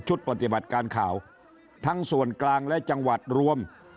ปฏิบัติการข่าวทั้งส่วนกลางและจังหวัดรวม